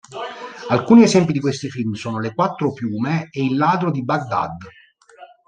Alcuni esempi di questi film sono "Le quattro piume" e "Il ladro di Bagdad".